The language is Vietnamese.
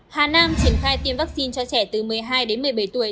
hà nam triển khai tiêm vaccine cho trẻ từ một mươi hai đến một mươi bảy tuổi